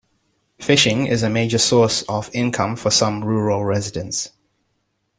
Fishing is a major source of income for some rural residents.